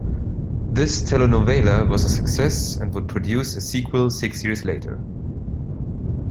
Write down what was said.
This telenovela was a success and would produce a sequel six years later.